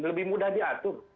lebih mudah diatur